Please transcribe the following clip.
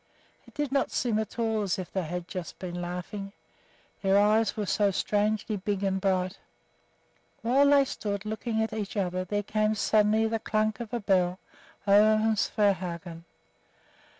It did not seem at all as if they had just been laughing, their eyes were so strangely big and bright. While they stood looking at each other there came suddenly the "klunk" of a bell over from Svehaugen.